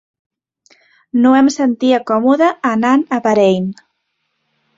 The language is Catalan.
No em sentia còmode anant a Bahrain.